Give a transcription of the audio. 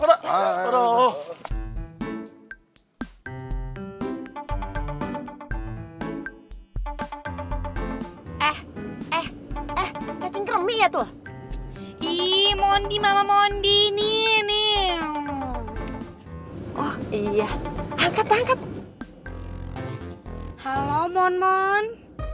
eh eh eh kacing kremi ya tuh ii mondi mama mondini nih oh iya angkat angkat halo monmon